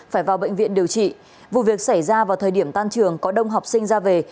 phải vào bệnh viện điều trị vụ việc xảy ra vào thời điểm tan trường có đông học sinh ra về